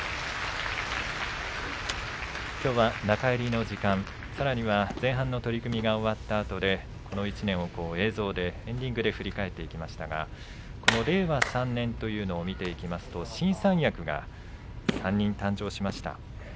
きょうは中入りの時間さらには前半の取組が終わったあとでこの１年を映像でエンディングで振り返っていきましたがこの令和３年というのを見ていきますと新三役が３人誕生しました。